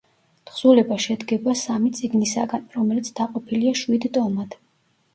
თხზულება შედგება სამი წიგნისაგან, რომელიც დაყოფილია შვიდ ტომად.